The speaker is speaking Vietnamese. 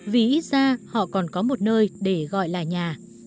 vì ít ra họ còn có một nơi để gọi là nhà